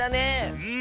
うん。